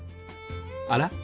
あら？